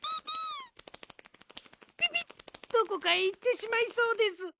ピピどこかへいってしまいそうです。